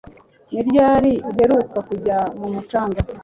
Ni ryari uheruka kujya ku mucanga